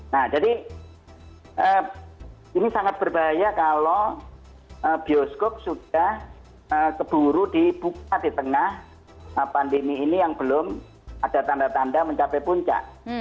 nah jadi ini sangat berbahaya kalau bioskop sudah keburu dibuka di tengah pandemi ini yang belum ada tanda tanda mencapai puncak